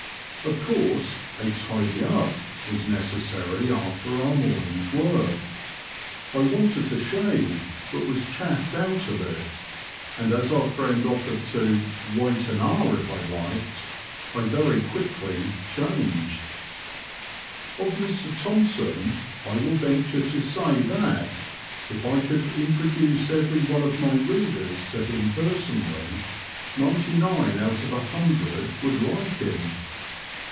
Of course a tidy up" was necessary after our morning's work (I wanted to shave, but was chaffed out of it), and as our friend offered to " wait an hour if I liked,'* I very quickly *' changed." Of Mr Thompson I will venture to say that if I could introduce every one of my readers to him personally, ninety nine out of a hundred would like him.